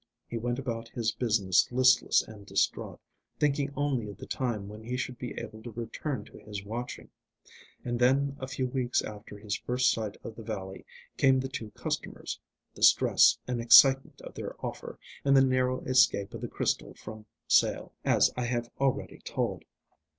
He went about his business listless and distraught, thinking only of the time when he should be able to return to his watching. And then a few weeks after his first sight of the valley came the two customers, the stress and excitement of their offer, and the narrow escape of the crystal from sale, as I have already told.